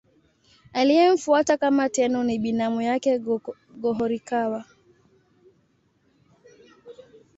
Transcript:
Aliyemfuata kama Tenno ni binamu yake Go-Horikawa.